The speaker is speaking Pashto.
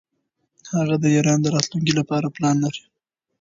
هغه د ایران د راتلونکي لپاره پلان لري.